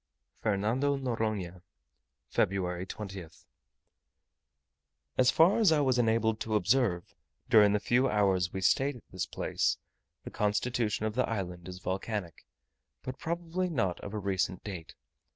FERNANDO NORONHA, Feb. 20th. As far as I was enabled to observe, during the few hours we stayed at this place, the constitution of the island is volcanic, but probably not of a recent date.